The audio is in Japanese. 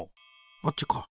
あっちか。